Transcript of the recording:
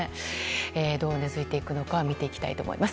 どう根付いていくか見ていきたいと思います。